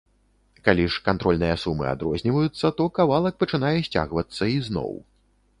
Калі ж кантрольныя сумы адрозніваюцца, то кавалак пачынае сцягвацца ізноў.